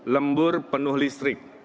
lembur penuh listrik